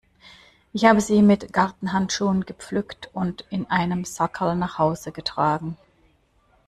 Ich habe sie mit Gartenhandschuhen gepflückt und in einem Sackerl nach Hause getragen.